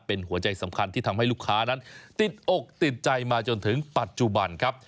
เป็นหัวใจสำคัญที่ทำให้ลูกค้านั้นติดอกติดใจมาจนถึงปัจจุบันครับ